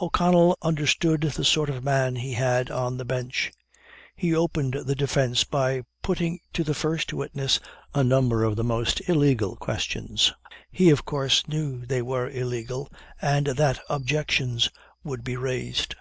O'Connell understood the sort of man he had on the Bench. He opened the defence by putting to the first witness a number of the most illegal questions. He, of course, knew they were illegal, and that objections would be raised.